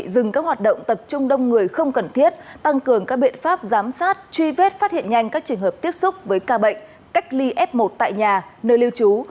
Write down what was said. các bộ y tế có hoạt động tập trung đông người không cần thiết tăng cường các biện pháp giám sát truy vết phát hiện nhanh các trường hợp tiếp xúc với ca bệnh cách ly f một tại nhà nơi lưu trú